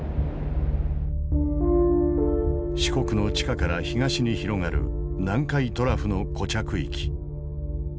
四国の地下から東に広がる南海トラフの固着域。